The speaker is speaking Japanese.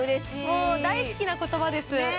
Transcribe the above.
もう大好きな言葉ですね！